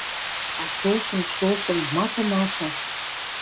А шошым, шошым! Ма тымаша? —